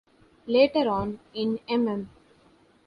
Later on, in mm.